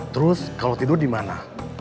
terus kalau tidur di mana